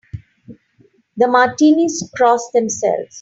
The Martinis cross themselves.